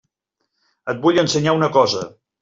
Et vull ensenyar una cosa.